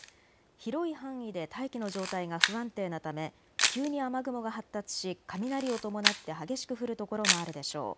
広い範囲で大気の状態が不安定なため急に雨雲が発達し雷を伴って激しく降る所もあるでしょう。